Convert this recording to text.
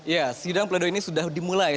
ya sidang pledoi ini sudah dimulai